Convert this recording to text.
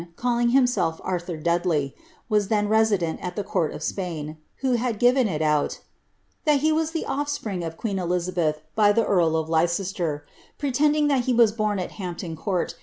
calling himself Arthur Dudley, was then resident at the court of Spain. who had given it out, " that he was the of^pring of queen Elizabeth, by the earl of Leicester; pretending that he was born at Hampton Couit.